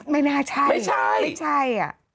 ไม่น่าใช่